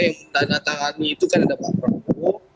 yang menandatangani itu kan ada pak prabowo